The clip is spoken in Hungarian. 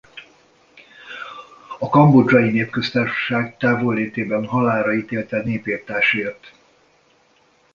A Kambodzsai Népköztársaság távollétében halálra ítélte népirtásért.